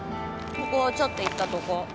ここをちょっと行ったとこ。